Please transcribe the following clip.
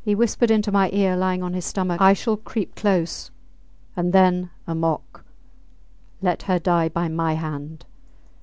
He whispered into my ear, lying on his stomach, I shall creep close and then amok ... let her die by my hand.